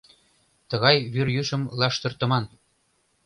Тыгай вӱрйӱшым лаштыртыман.